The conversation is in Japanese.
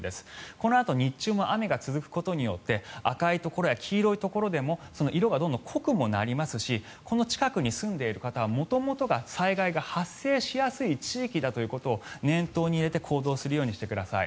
このあと日中も雨が続くことによって赤いところや黄色いところでも色がどんどん濃くもなりますしこの近くに住んでいる方は元々、災害が発生しやすい地域だということを念頭に入れて行動するようにしてください。